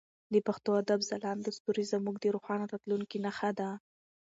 د پښتو ادب ځلانده ستوري زموږ د روښانه راتلونکي نښه ده.